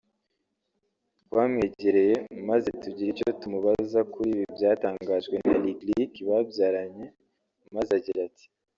twamwegereye maze tugira icyo tumubaza kuri ibi byatangajwe na Lick Lick babyaranye maze agira ati